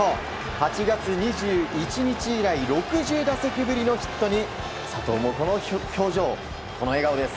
８月２１日以来６０打席ぶりのヒットに佐藤も、この笑顔です。